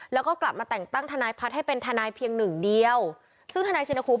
แล้วก็กลับมาแต่งตั้งทนายพัฒน์ให้เป็นทนายเพียงหนึ่งเดียวซึ่งทนายชินคุม